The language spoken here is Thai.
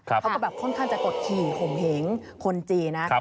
เขาก็แบบค่อนข้างจะกดขี่ข่มเหงคนจีนนะ